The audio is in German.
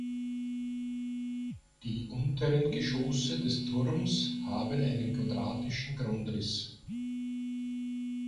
Die unteren Geschosse des Turms haben einen quadratischen Grundriss.